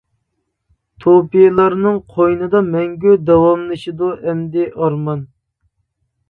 توپىلارنىڭ قوينىدا مەڭگۈ داۋاملىشىدۇ ئەمدى ئارمان.